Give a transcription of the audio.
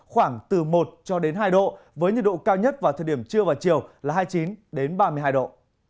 khoảng từ một cho đến hai độ với nhiệt độ cao nhất vào thời điểm trưa và chiều là hai mươi chín ba mươi hai độ